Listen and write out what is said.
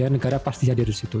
negara pasti hadir di situ